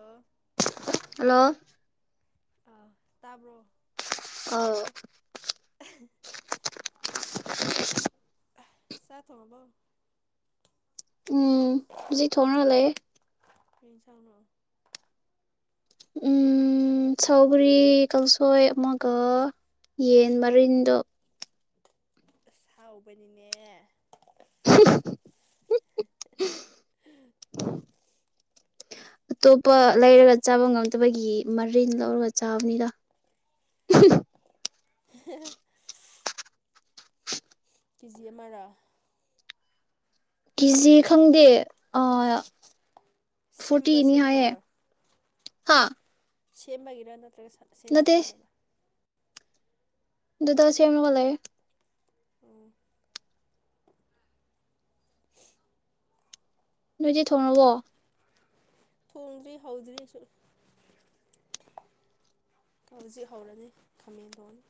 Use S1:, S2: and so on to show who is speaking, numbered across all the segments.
S1: ꯑ
S2: ꯍꯜꯂꯣ
S1: ꯑ ꯇꯥꯔꯕꯣ
S2: ꯑ
S1: [inaudible]
S2: [inaudible]
S1: ꯁꯥꯊꯣꯕꯎ
S2: ꯎꯝꯖꯤ ꯊꯅꯂꯦ
S1: ꯀꯅ ꯆꯥꯎꯅ
S2: ꯁꯥꯎꯒꯔꯤ ꯀꯥꯡꯁꯣꯏ ꯑꯃꯒ ꯌꯦꯟ ꯃꯔꯤꯟꯗꯣ
S1: ꯑ ꯍꯥꯎꯕꯅꯤꯅꯦ
S2: ꯑꯇꯣꯞꯄ ꯂꯩꯔꯒ ꯆꯥꯕ ꯉꯝꯗꯕꯒꯤ ꯃꯔꯤꯟ ꯂꯧꯔꯒ ꯆꯥꯕꯅꯤꯗ
S1: [inaudible] ꯀꯦꯖꯤ ꯑꯃꯔꯥ
S2: ꯀꯦꯖꯤ ꯈꯪꯗꯦ
S1: ꯁꯦꯝꯕ꯭ꯔꯣ ꯁꯦꯝꯗꯕ꯭ꯔꯣ
S2: ꯍꯥꯥ
S1: ꯁꯤꯦꯃꯒꯤꯔ ꯅꯠꯇ꯭ꯔꯒ ꯁꯦꯝꯅꯕꯤꯔꯅ
S2: ꯑꯗꯨꯗ ꯁꯦꯝ ꯑꯃꯒꯂꯦ
S1: ꯑꯣ
S2: ꯅꯣꯏꯗꯤ ꯊꯣꯡꯉꯑꯣꯣ
S1: ꯊꯣꯡꯗ꯭ꯔꯤ ꯍꯧꯗ꯭ꯦꯁꯨ ꯍꯧꯖꯤꯛ ꯍꯧꯔꯅꯤ ꯈꯥꯃꯦꯟ ꯊꯣꯡꯅꯤ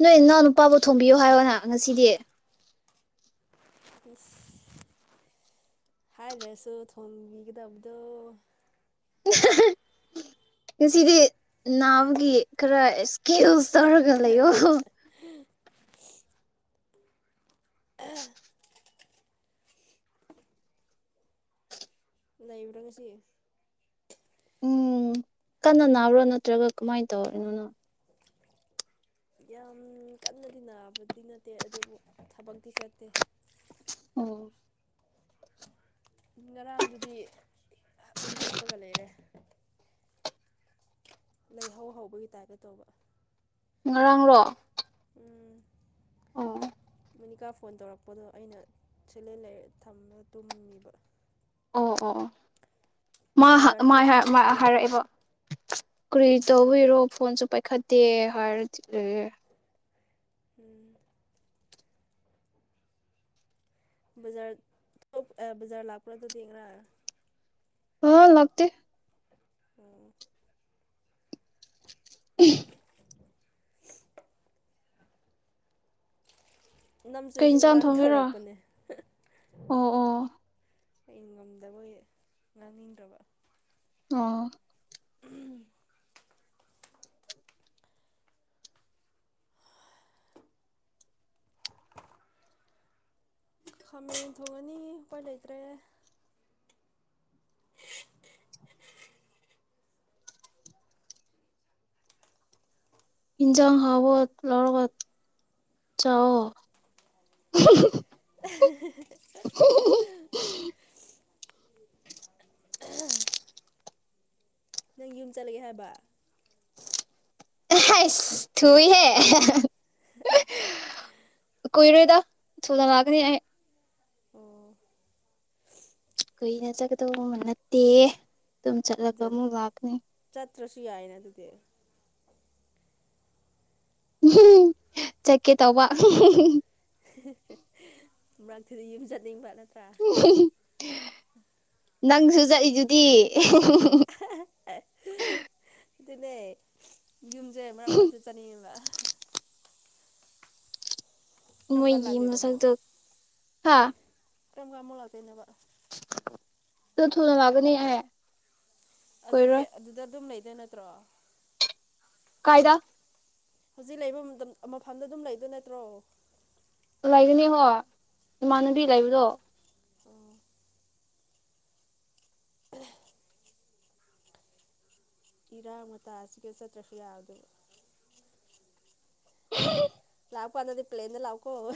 S2: ꯅꯣꯏ ꯏꯅꯥꯎ ꯅꯨꯄꯥꯕꯨ ꯊꯣꯡꯝꯕꯤꯌꯨ ꯍꯥꯏꯌꯣꯅ ꯉꯁꯤꯗꯤ
S1: ꯏꯁ ꯍꯥꯏꯔꯁꯨ ꯊꯣꯕꯤꯒꯗꯕꯗꯣ
S2: ꯉꯁꯤꯗꯤ ꯅꯥꯕꯒꯤ ꯈꯔ ꯏꯁꯀꯤꯜꯁ ꯇꯔꯒ ꯂꯩ ꯑꯣ [inaudible]
S1: ꯂꯩꯕꯔꯒꯁꯤ
S2: ꯎꯝ ꯀꯟꯅ ꯅꯥꯕ꯭ꯔꯣ ꯅꯠꯇ꯭ꯔꯒ ꯀꯃꯥꯏꯅ ꯇꯧꯔꯤꯅꯣꯅ
S1: ꯌꯥꯝ ꯀꯟꯅꯗꯤꯟꯅꯕꯗꯤ ꯅꯠꯇꯦ ꯑꯗꯨꯕꯨ ꯊꯕꯛꯇꯤ ꯆꯠꯇꯦ
S2: ꯑꯣ
S1: ꯉꯔꯥꯡꯗꯨꯗꯤ ꯑꯗꯨꯝ ꯍꯤꯞꯄꯒ ꯂꯩꯔꯦ ꯂꯩꯍꯧ ꯍꯧꯕꯒꯤ ꯇꯥꯏꯞꯇ ꯇꯧꯕ
S2: ꯉꯔꯥꯡꯔꯣ ꯑꯣ
S1: ꯃꯨꯅꯤꯀꯥ ꯐꯣꯟ ꯇꯧꯔꯛꯄꯗꯣ ꯑꯩꯅ ꯁꯂꯦꯟ ꯂꯩꯔ ꯊꯝꯒ ꯇꯨꯝꯃꯤꯕ
S2: ꯑꯣ ꯑꯣ
S1: ꯅꯣꯏ ꯕꯖꯥꯔ ꯊꯣꯛ
S2: ꯑꯣ
S1: ꯂꯥꯛꯄ꯭ꯔꯥ
S2: ꯍꯥꯏꯔꯛꯑꯦꯕ ꯀꯨꯔꯤ ꯇꯧꯕꯤꯔꯣ ꯐꯣꯟꯁꯨ ꯄꯥꯏꯈꯠꯇꯦ ꯍꯥꯏꯔꯗꯤ ꯂꯩꯦ
S1: ꯎꯝ ꯕꯖꯥ ꯕꯖꯥꯔ ꯂꯥꯛꯄ꯭ꯔ ꯑꯗꯨ ꯊꯦꯡ꯭ꯔ
S2: ꯑ ꯂꯇ
S1: ꯑꯣ
S2: [inaudible] ꯀꯩ
S1: ꯅꯝꯁꯨꯨꯁꯨ
S2: ꯏꯟꯁꯥꯡ
S1: ꯉꯔꯥꯡ
S2: ꯊꯣꯡꯒꯦꯔꯥ
S1: ꯇꯧꯔꯛꯄꯅꯦ
S2: ꯑꯣ ꯑꯣ
S1: ꯍꯩꯅ ꯉꯝꯗꯕ ꯉꯥꯡꯅꯤꯡꯗ꯭ꯔꯕ
S2: ꯑꯣ
S1: ꯎ ꯈꯥꯃꯦꯟ ꯊꯣꯡꯉꯅꯤ ꯎꯄꯣꯏ ꯂꯩꯇ꯭ꯔꯦ
S2: ꯍꯟꯖꯥꯡ ꯍꯥꯕ ꯂꯔ ꯆꯑꯣ
S1: [inaudible] ꯑ ꯅꯪ ꯌꯨꯝ ꯆꯠꯂꯒꯦ ꯍꯥꯏꯕ
S2: ꯔꯥꯏꯁ ꯊꯨꯏꯍꯦ
S1: ꯍꯥ
S2: ꯀꯨꯏꯔ ꯁꯣꯗ ꯂꯒꯅꯤ
S1: ꯑꯣ
S2: ꯀꯅ ꯆꯠꯀꯗꯧꯕꯕ ꯅꯠꯇꯦ ꯑꯗꯨꯝ ꯆꯠꯂꯒ
S1: ꯖꯠ
S2: ꯑꯃꯨꯛ ꯉꯥꯛꯅꯤ
S1: ꯆꯠꯇ꯭ꯔꯁꯨ ꯌꯥꯏꯅ ꯑꯗꯨꯨꯗ
S2: ꯎꯝ ꯆꯀꯦ ꯇꯧꯋꯥ
S1: ꯔ ꯊꯗꯤ ꯌꯦ ꯆꯅꯤꯡ ꯃꯥ ꯆ ꯆ
S2: ꯅꯪꯁꯨ ꯆꯛꯏꯗꯨꯗꯤ
S1: [inaudible] ꯑꯗꯨꯅꯦ ꯌꯨꯝꯁꯦ ꯃꯔꯛ ꯃꯔꯛꯇ ꯆꯠꯅꯤꯡꯉꯦꯕ ꯀꯔꯝ ꯀꯥꯟ
S2: ꯃꯣꯏꯒꯤ
S1: ꯂꯥꯛꯇꯣꯏꯕ ꯑꯃꯨꯛ
S2: ꯃꯁꯗꯨ ꯍꯥ
S1: ꯀꯔꯝ ꯀꯃꯣ ꯂꯥꯛꯇꯣꯏꯩꯅꯅꯕ
S2: ꯑꯗꯨ ꯊꯅ ꯂꯒꯅꯤ ꯍꯥꯏ
S1: ꯑꯗꯨꯗꯤ ꯑꯗꯨꯗ ꯑꯗꯨꯝ ꯂꯩ ꯗ ꯅꯠꯇ꯭ꯔꯥ
S2: ꯀꯥꯏꯗ
S1: ꯍꯧꯖꯤꯛ ꯂꯩꯕ ꯃꯇꯝ ꯃꯐꯝꯗ ꯑꯗꯨꯝ ꯂꯩꯗꯣꯏ ꯅꯠꯇ꯭ꯔꯣ
S2: ꯂꯩꯒꯅꯤ ꯍꯣ ꯏꯃꯥꯟꯅꯕꯤ ꯂꯩꯕꯗꯣ
S1: ꯑꯣ ꯎ ꯏꯔꯥꯡ ꯃꯇꯥꯁꯤꯒ ꯆꯠꯇ꯭ꯔꯁꯨ ꯌꯥꯗꯕ
S2: ꯎ
S1: ꯇꯥꯞꯄ ꯑꯥꯟꯗꯗꯤ ꯄ꯭ꯂꯂꯦꯝꯦꯟꯗ ꯂ ꯂꯧꯥꯎꯀꯣ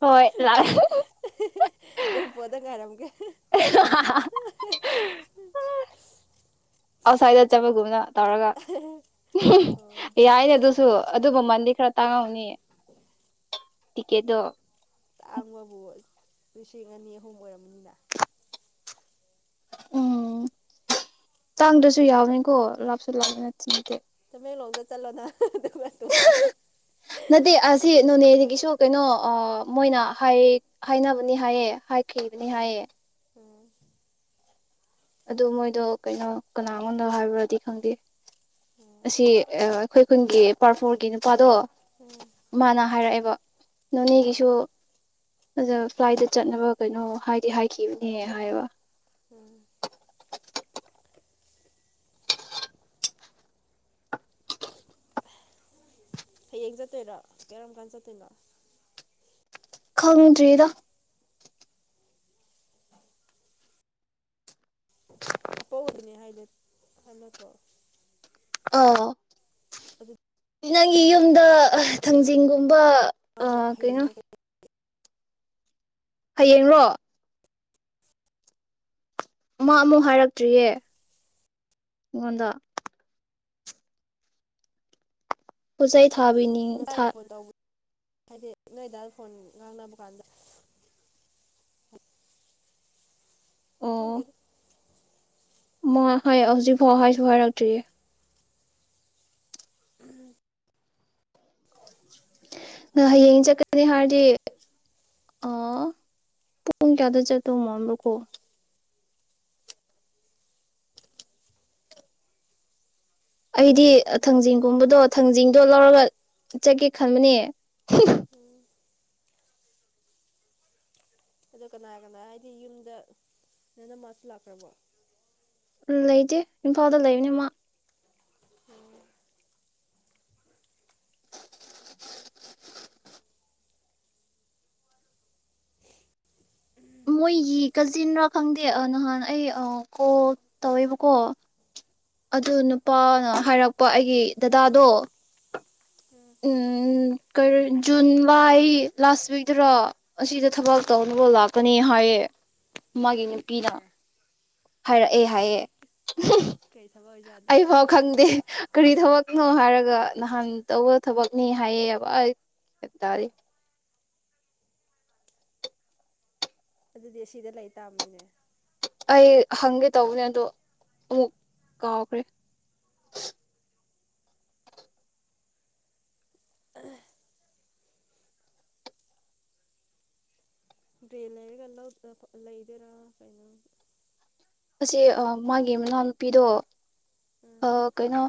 S2: ꯍꯣꯏ ꯂꯥꯁ
S1: ꯑꯦꯌꯔꯄꯣꯔꯠꯇ ꯉꯥꯏꯔꯝꯒꯦ
S2: ꯑꯥꯎꯠꯁꯥꯏꯗ ꯆꯠꯄꯒꯨꯝꯅ ꯇꯧꯔꯒ
S1: ꯑꯣ
S2: ꯌꯥꯏꯅꯦ ꯑꯗꯨꯁꯨ ꯑꯗꯨ ꯃꯃꯟꯗꯤ ꯈꯔ ꯇꯉꯥꯎꯅꯤ ꯇꯀꯦꯗ
S1: ꯇꯥꯡꯕꯕꯨ ꯂꯤꯁꯤꯡ ꯑꯅꯤ ꯑꯍꯨꯝ ꯑꯣꯏꯔꯕꯝꯅꯤꯅ
S2: ꯎꯝ ꯇꯥꯡꯗꯁꯨ ꯌꯥꯎꯅꯤꯀꯣ ꯂꯥꯞꯁꯨ ꯂꯥꯞꯄ ꯅꯠꯇ ꯅꯠꯇꯦ
S1: ꯃ ꯂꯣꯗ ꯆꯂꯣꯗ ꯃ ꯇ ꯋꯥ
S2: ꯅꯠꯇꯦ ꯑꯁꯤ ꯅꯣꯅꯦꯗꯒꯤꯁꯨ ꯀꯩꯅꯣ ꯃꯣꯏꯅ ꯍꯥꯏ ꯍꯥꯏꯅꯕꯅꯤ ꯍꯥꯏꯌꯦ ꯈꯈꯤꯗꯅꯤ
S1: ꯎꯝ
S2: ꯍꯥꯏꯌꯦ
S1: ꯎꯝ
S2: ꯑꯗꯨ ꯃꯣꯏꯗꯣ ꯀꯩꯅꯣ ꯀꯅꯥꯉꯗꯣ ꯍꯥꯏꯕ꯭ꯔꯗꯤ ꯈꯪꯗꯦ
S1: ꯎꯝ
S2: ꯑꯁꯤ ꯑ ꯑꯩꯈꯣꯏ ꯈꯨꯟꯒꯤ ꯄꯥꯔ ꯐꯣꯔꯒꯤ ꯅꯨꯄꯥꯗꯣ
S1: ꯎꯝ
S2: ꯃꯥꯅ ꯍꯥꯏꯔꯛꯑꯦꯕ
S1: ꯎꯝ
S2: ꯅꯅꯤꯒꯤꯁꯨ ꯑꯗ ꯐ꯭ꯂꯥꯏꯠꯇ ꯆꯠꯅꯕ ꯀꯩꯅꯣ ꯍꯥꯏꯗꯤ ꯍꯥꯏꯈꯤꯕꯅꯦ ꯍꯥꯏꯕ
S1: ꯎꯝ
S2: [inaudible]
S1: ꯍꯌꯦꯡ ꯆꯠꯇꯣꯏꯔꯥ ꯀꯔꯝ ꯀꯥꯟ ꯆꯠꯇꯣꯏꯅꯣ
S2: ꯈꯪꯗ꯭ꯔꯤꯗ
S1: ꯑꯄ ꯑꯣꯏꯗꯅꯦ ꯍꯥꯏꯗ ꯈꯅꯠꯇꯣ
S2: ꯑꯣ
S1: ꯑꯗꯨ
S2: ꯅꯪꯒꯤ ꯌꯨꯝꯗ ꯑ ꯊꯥꯡꯖꯤꯡꯒꯨꯝꯕ
S1: ꯃꯥꯗꯤ ꯍꯌꯦꯡ
S2: ꯀꯩꯅꯣ
S1: [inaudible]
S2: ꯍꯌꯦꯡꯔꯣ ꯃꯥ ꯑꯃꯨꯛ ꯍꯥꯏꯔꯛꯇ꯭ꯔꯤꯌꯦ ꯑꯩꯉꯣꯟꯗ ꯍꯁꯥꯏ ꯊꯥꯕꯤꯅꯤ
S1: ꯉꯁꯥꯏ
S2: ꯊ
S1: ꯐꯣꯟ ꯇꯧꯕ ꯍꯥꯏꯗꯤ ꯅꯣꯏꯗ ꯐꯣꯟ ꯉꯥꯡꯅꯕ ꯀꯥꯟꯗ
S2: ꯑꯣ
S1: ꯈꯪꯗꯦꯗ
S2: ꯃ ꯍꯥꯏ ꯍꯧꯖꯤꯛꯐꯥꯎ ꯍꯥꯏꯁꯨ ꯍꯥꯏꯔꯛꯇ꯭ꯔꯤꯌꯦ
S1: ꯎꯝ
S2: ꯑ ꯍꯌꯦꯡ ꯆꯠꯀꯅꯤ ꯍꯥꯏꯔꯗꯤ ꯑ ꯄꯨꯡ ꯀꯌꯥꯗ ꯆꯠꯇꯧ ꯃꯝꯕ꯭ꯔꯣꯀꯣ ꯑꯩꯗꯤ
S1: ꯂꯧ
S2: ꯊꯥꯡꯖꯤꯡꯒꯨꯝꯕꯗꯣ ꯊꯥꯡꯖꯤꯡꯗꯣ ꯂꯧꯔꯒ ꯆꯠꯒꯦ ꯈꯟꯕꯅꯦ
S1: ꯎꯝ ꯑꯗꯨ ꯀꯅꯥ ꯀꯅꯥ ꯍꯥꯏꯗꯤ ꯌꯨꯝꯗ ꯅꯣꯏꯅ ꯃꯥꯁꯨ ꯂꯥꯛꯈ꯭ꯔꯕꯣ
S2: ꯎꯝ ꯂꯩꯇꯦ ꯏꯝꯐꯥꯜꯗ ꯂꯩꯕꯅꯤ ꯃꯥ
S1: ꯎꯝ
S2: ꯃꯣꯏꯒꯤ ꯀꯖꯤꯟꯅꯔꯥ ꯈꯪꯗꯦ ꯅꯍꯥꯟ ꯑꯩ ꯀꯣꯜ ꯇꯧꯋꯦꯕꯀꯣ ꯑꯗꯨꯅ ꯄꯥꯅꯣ
S1: ꯎꯝ
S2: ꯍꯥꯏꯔꯛꯄ ꯑꯩꯒꯤ ꯗꯗꯥꯗꯣ
S1: ꯎꯝ
S2: ꯎꯝ ꯀ ꯖꯨꯟ ꯂꯥꯏ ꯂꯥꯁ ꯋꯤꯛꯇꯔꯣ ꯑꯁꯤꯗ ꯊꯕꯛ ꯇꯧꯅꯕ ꯂꯥꯛꯀꯅꯤ ꯍꯥꯏꯌꯦ ꯃꯥꯒꯤ ꯄꯤꯤꯗ
S1: ꯑꯦ
S2: ꯍꯥꯏꯔꯛꯑꯦ ꯍꯥꯏꯌꯦ
S1: ꯀꯩ ꯊꯕ
S2: ꯑꯩꯐꯥꯎ ꯈꯪꯗꯦ ꯀꯔꯤ ꯊꯕꯛ ꯀꯩꯅꯣ ꯍꯥꯏꯔꯒ ꯅꯍꯥꯟ ꯇꯧꯕ ꯊꯕꯛꯅꯤ ꯍꯥꯏꯌꯦꯕ ꯑꯩ ꯀꯇꯥꯗꯤꯦ
S1: ꯑꯗꯨꯗꯤ ꯑꯁꯤꯗ ꯂꯩ ꯇꯥꯕꯅꯤꯅꯦ
S2: ꯑꯩ ꯍꯪꯒꯦ ꯇꯧꯕꯅꯦ ꯑꯗꯣ ꯑꯃꯨꯛ ꯀꯥꯎꯈ꯭ꯔꯦ
S1: ꯗ꯭ꯔꯦꯟ ꯂꯩꯔꯒ ꯂꯩꯗꯦꯔꯥ ꯀꯩꯅꯣ
S2: ꯑꯁꯤ ꯃꯥꯒꯤ ꯃꯅꯥꯎꯅꯨꯄꯤꯗꯣ ꯑ
S1: ꯎꯝ
S2: ꯀꯩꯅꯣ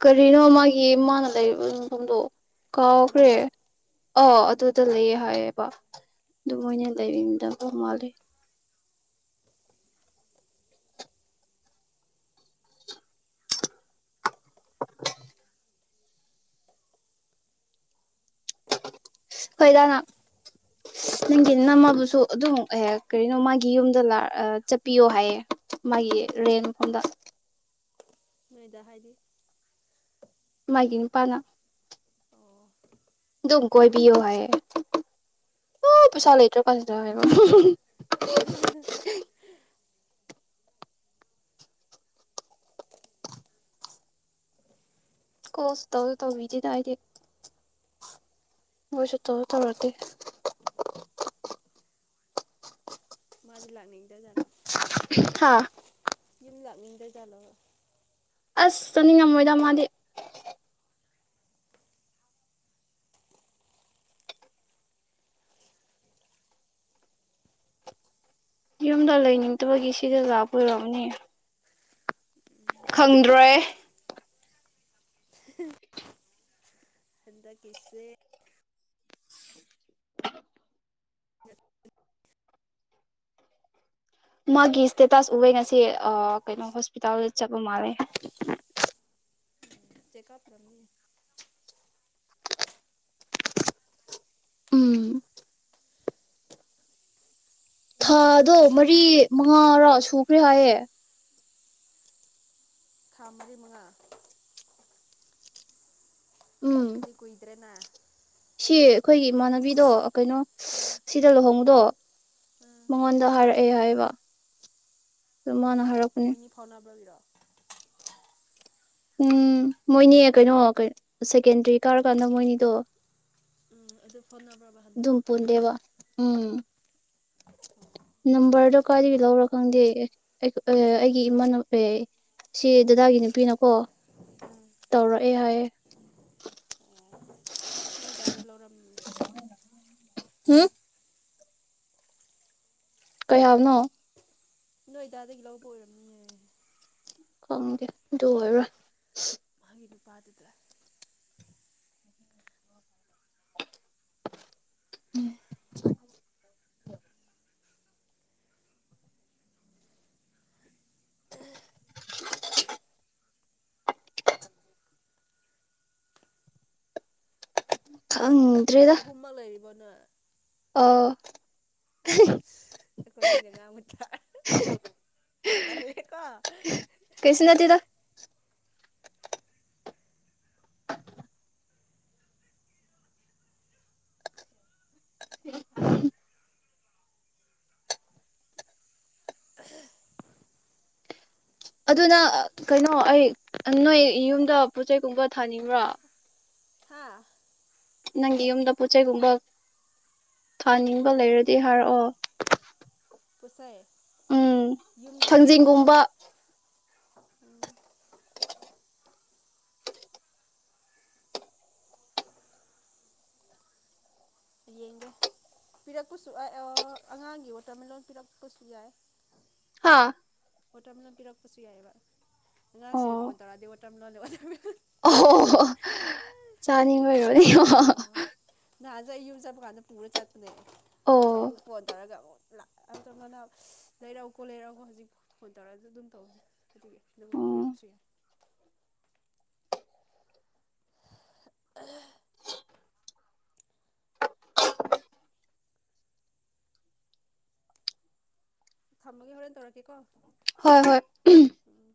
S2: ꯀꯔꯤꯅꯣ ꯃꯥꯒꯤ ꯃꯥꯅ ꯂꯩ ꯃꯐꯝꯗꯣ ꯀꯥꯎꯈ꯭ꯔꯦ
S1: ꯇꯔꯨꯡ
S2: ꯑ ꯑꯗꯨꯗ ꯂꯩꯌꯦ ꯍꯥꯏꯌꯦꯦꯕ ꯑꯗꯨ
S1: ꯎꯝ
S2: ꯃꯣꯏꯅ ꯂꯩꯕꯤꯗꯗꯧ ꯃꯥꯂꯦ [inaudible] ꯍꯣꯏꯗꯥꯅ ꯅꯪꯒꯤ ꯅꯝꯃꯕꯨꯁꯨ ꯑꯗꯨꯝ ꯍꯦꯛ ꯀꯔꯤꯅꯣ ꯃꯥꯒꯤ ꯌꯨꯝꯗ ꯆꯠꯄꯤꯌꯣ ꯍꯥꯏꯌꯦ ꯃꯥꯒꯤ ꯔꯦꯟ ꯃꯐꯝꯗ
S1: ꯅꯣꯏ ꯍꯥꯏꯒꯤ
S2: ꯃꯥꯒꯤꯅꯤ ꯄꯅ
S1: ꯑꯣ
S2: ꯑꯗꯨꯝ ꯀꯣꯏꯕꯤꯌꯣ ꯍꯥꯏꯌꯦ ꯑꯣ ꯄꯩꯁꯥ ꯂꯩꯇ꯭ꯔꯣ ꯐꯁꯤꯗ ꯍꯥꯏꯔꯣ ꯀꯣꯁꯨ ꯇꯧꯁꯨ ꯇꯧꯕꯤꯗꯦꯅ ꯑꯩꯗꯤ ꯃꯣꯏꯁꯨ ꯇꯧ ꯇꯧꯔꯀꯦ
S1: ꯃ ꯂꯥꯛꯅꯤꯗ ꯔ
S2: ꯍꯥꯥ
S1: ꯌ ꯂꯥꯛ ꯃꯤꯗ ꯆꯂꯣ
S2: ꯑꯁ ꯆꯠꯅꯤꯡꯉꯝꯃꯣꯏꯗ ꯃꯥꯗꯤ ꯌꯨꯝꯗ ꯂꯩꯅꯤꯡꯗꯕꯒꯤ ꯁꯤꯗ ꯂꯥꯄ ꯑꯣꯏꯔꯔꯕꯅꯦ ꯈꯪꯗ꯭ꯔꯣꯏ
S1: ꯑꯟꯗ ꯀꯁꯦ
S2: ꯃꯥꯒꯤ ꯏꯁꯇꯦꯇꯥꯁ ꯎꯕꯦ ꯉꯁꯤ ꯀꯩꯅꯣ ꯍꯣꯁꯄꯤꯇꯥꯜꯗ ꯆꯠꯄ ꯃꯥꯜꯂꯦ
S1: ꯆꯦ ꯀꯥꯞꯄꯔꯅꯤ
S2: ꯎꯝ ꯊꯥꯗꯣ ꯃꯔꯤ ꯃꯉꯥꯔꯥ ꯁꯨꯈ꯭ꯔꯦ ꯍꯥꯏꯌꯦꯦ
S1: ꯊꯥ ꯃꯔꯤ ꯃꯉꯥ
S2: ꯎꯝ
S1: ꯑꯗꯨꯗꯤ ꯀꯨꯏꯗ꯭ꯔꯦꯅ
S2: ꯁꯤ ꯑꯩꯈꯣꯏꯒꯤ ꯏꯃꯥꯟꯅꯕꯤꯗꯣ
S1: ꯎꯝ ꯎꯝ
S2: ꯃꯪꯉꯟꯗꯍꯔ ꯑꯦ ꯍꯥꯏꯕ ꯑꯗꯨ ꯃꯥꯅ
S1: ꯑꯣ
S2: ꯍꯥꯏꯔꯛ
S1: ꯃꯣꯏꯅꯤ ꯐꯥꯎꯣꯟꯕ꯭ꯔꯣꯕꯤꯔꯣ
S2: ꯎꯝ ꯃꯣꯏꯅꯤ ꯀꯩꯅꯣ ꯁꯦꯀꯦꯟꯗ꯭ꯔꯤ ꯀꯥꯔꯀꯥꯟꯗ ꯃꯣꯏꯅꯤꯗꯣ
S1: ꯎꯝ ꯑꯗꯨ ꯐꯥꯎꯅꯕ꯭ꯔꯕ ꯍꯟꯗꯛꯀ
S2: ꯝꯄꯨꯔ ꯗꯦꯕ ꯎꯝ ꯅꯝꯕꯔꯗꯣ ꯀꯥꯏꯗꯒꯤ ꯂꯧꯔꯣ ꯈꯪꯗꯦ ꯑꯩꯒꯤ ꯏꯃ ꯁꯤ ꯗꯗꯥꯒꯤ ꯅꯨꯄꯤꯅꯀꯣ
S1: ꯎꯝ
S2: ꯇꯧꯔꯛꯑꯦ ꯍꯥꯏ
S1: ꯅꯣꯏꯗꯥꯗ ꯂꯧꯔꯝꯃꯤ
S2: ꯎꯝ ꯀꯩꯅꯣ
S1: ꯅꯣꯏꯗꯥꯗꯒꯤ ꯂꯧꯕ ꯑꯣꯏꯔꯝꯅꯤꯌꯦ
S2: ꯈꯣꯡꯒꯦ ꯑꯣꯏꯔ ꯋꯥ
S1: ꯑꯩꯒꯤ ꯅꯨꯄꯥꯗꯨꯗ꯭ꯔ
S2: ꯎꯝ ꯑꯪ
S1: ꯍꯣꯨꯝꯃ ꯂ ꯍꯥꯏꯔꯤꯕ ꯅ
S2: ꯑꯥ
S1: ꯑꯁ ꯑꯩꯈꯣꯏ ꯑꯅꯤꯅꯒ ꯃꯨꯊ ꯇꯜꯂꯦꯀꯣ
S2: ꯀꯩꯁꯨ ꯅꯠꯇꯦꯗ [inaudible]
S1: [inaudible]
S2: ꯑꯗꯨꯅ ꯀꯩꯅꯣ ꯑꯩ ꯅꯣꯏ ꯌꯨꯝꯗ ꯄꯣꯠꯆꯩꯒꯨꯝꯕ ꯊꯥꯅꯤꯡꯕ꯭ꯔꯥ
S1: ꯍꯥ
S2: ꯅꯪꯒꯤ ꯌꯨꯝꯗ ꯄꯣꯠꯆꯩꯒꯨꯝꯕ ꯊꯥꯅꯤꯡꯕ ꯂꯩꯔꯗꯤ ꯍꯥꯏꯔꯛꯑꯣ
S1: ꯄꯣꯁꯥꯏ
S2: ꯎꯝ ꯊꯥꯡꯖꯤꯡꯒꯨꯝꯕ
S1: ꯎꯝ ꯌꯦꯡꯒꯦ ꯄꯤꯔꯛꯄꯁꯨ ꯑꯉꯥꯡꯒꯤ ꯋꯥꯇꯔꯃꯦꯂꯣꯟ ꯄꯤꯔꯛꯄꯁꯨ ꯌꯥꯏ
S2: ꯍꯥꯥ
S1: ꯑꯣ ꯇꯔ ꯃꯅ ꯄꯤꯔꯛ ꯄ ꯄꯨꯁꯤ ꯌꯥꯏꯑꯕ ꯉ ꯁꯤꯔꯐ ꯑꯣꯏ ꯇꯔꯗꯤ ꯂ ꯂꯩꯦ
S2: ꯑꯣꯣ ꯆꯥꯅꯤꯡꯉ ꯑꯣꯏꯔ ꯑ
S1: ꯅꯑ ꯌꯨ ꯆꯕ ꯀꯥꯟꯗ ꯄ ꯄꯨꯔ ꯆ ꯑꯗꯩ
S2: ꯑꯣ
S1: ꯑ ꯑꯃꯨꯛ ꯐꯣꯟ ꯇꯧꯔꯒ ꯑꯃꯨꯛ ꯂꯥꯛ ꯑꯇꯣ ꯃꯅ ꯂꯩꯔꯛꯎꯀꯣ ꯂꯩꯔꯛꯎꯀꯣ ꯍꯧꯖꯤꯛ ꯐꯣꯟ ꯇꯧꯔꯛꯑꯁꯨ ꯑꯗꯨꯝ ꯇꯧꯅꯤ ꯑꯗꯨ ꯑꯗꯨ ꯄꯌꯥ
S2: ꯎꯝ
S1: ꯈꯨꯁꯤ ꯑ ꯊꯃꯒꯒꯤ ꯍꯣꯔꯦꯟ ꯇꯔ ꯀꯀꯣ
S2: ꯍꯣꯏ ꯍꯣꯏ
S1: ꯎꯝ